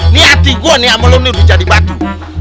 nih hati gue nih sama lu udah jadi batu